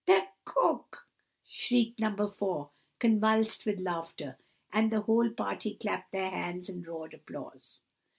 "The cook!" shrieked No. 4, convulsed with laughter; and the whole party clapped their hands and roared applause.